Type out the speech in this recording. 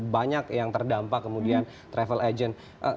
banyak yang terdampak kemudian travel agent